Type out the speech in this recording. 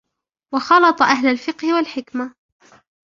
وَخَالَطَ أَهْلَ الْفِقْهِ وَالْحِكْمَةِ